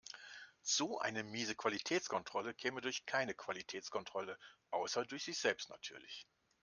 So eine miese Qualitätskontrolle käme durch keine Qualitätskontrolle, außer durch sich selbst natürlich.